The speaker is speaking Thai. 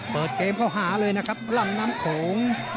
เปิดเกมเข้าหาเลยนะครับร่องน้ำโขง